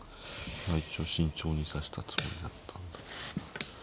一応慎重に指したつもりだったんだけど。